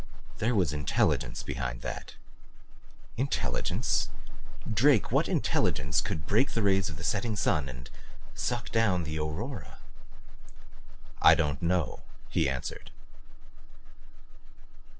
There was intelligence behind that." "Intelligence? Drake what intelligence could break the rays of the setting sun and suck down the aurora?" "I don't know," he answered.